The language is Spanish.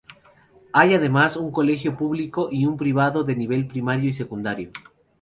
Hay además un colegio público y un privado de nivel primario y secundario.